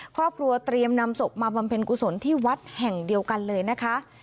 ครอบครัวเตรียมนำศพมาบำเพ็ญกุศลที่วัดแห่งเดียวกันเลยนะคะ